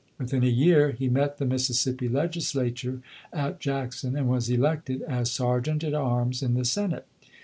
Within a year, he met the Mississippi Legislature at Jackson and was elected as Ser geant at arms in the Senate.